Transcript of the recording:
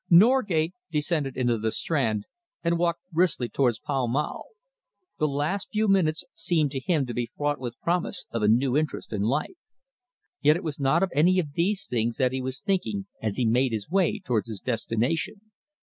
Norgate descended into the Strand and walked briskly towards Pall Mall. The last few minutes seemed to him to be fraught with promise of a new interest in life. Yet it was not of any of these things that he was thinking as he made his way towards his destination.